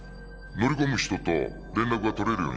乗り込む人と連絡が取れるようにしてね。